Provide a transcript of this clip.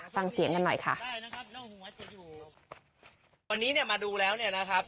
ฟังเสียงกันหน่อยค่ะได้นะครับวันนี้เนี้ยมาดูแล้วเนี้ยนะครับ